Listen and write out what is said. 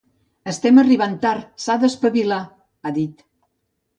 “Estem arribant tard, s’ha d’espavilar”, ha dit.